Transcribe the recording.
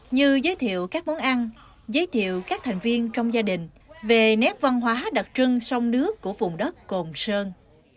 như giới thiệu các món ăn giới thiệu các thành viên trong gia đình về nét văn hóa đặc trưng sông nước của vùng đất cồn sơn